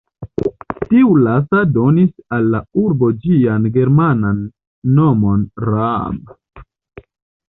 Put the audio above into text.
Tiu lasta donis al la urbo ĝian germanan nomon Raab.